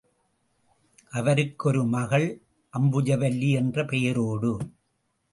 அவருக்கு ஒரு மகள் அம்புஜவல்லி என்ற பெயரோடு.